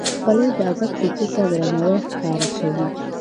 خولۍ د ادب کلتور ته درناوی ښکاره کوي.